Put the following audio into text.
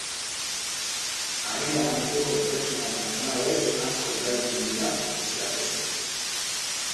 Harria lantzeko tresna eta lanabes asko erabiltzen dira, besteak beste.